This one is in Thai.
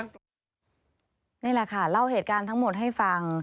นี่แหละค่ะเล่าเหตุการณ์ทั้งหมดให้ฟัง